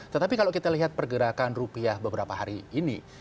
tetapi kalau kita lihat pergerakan rupiah beberapa hari ini